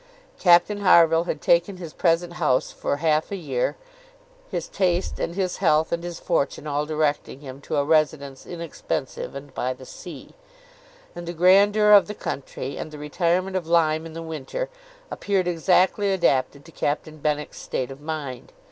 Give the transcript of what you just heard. Captain Harville had taken his present house for half a year; his taste, and his health, and his fortune, all directing him to a residence inexpensive, and by the sea; and the grandeur of the country, and the retirement of Lyme in the winter, appeared exactly adapted to Captain Benwick's state of mind.